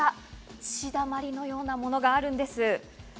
血だまりのようなものがあります。